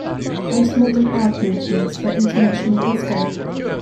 Most modern art movements were international in scope.